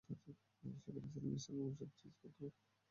সেখানে চাইলে বিশ্রাম এবং পোষাক চেঞ্জও করে নিতে পারবেন।